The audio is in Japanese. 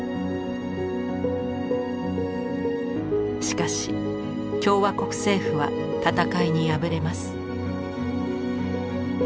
しかし共和国政府は戦いに敗れます。